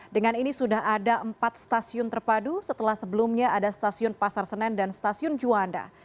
dengan ini sudah ada empat stasiun terpadu setelah sebelumnya ada stasiun pasar senen dan stasiun juanda